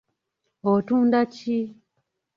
Otunda ki?